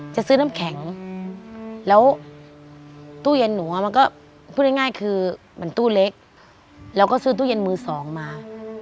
จะซื้อน้ำแข็งแล้วตู้เย็นหนูมันก็พูดง่ายคือมันตู้เล็กเราก็ซื้อตู้เย็นมือสองมา